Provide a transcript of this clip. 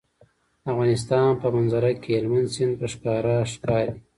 د افغانستان په منظره کې هلمند سیند په ښکاره ښکاري.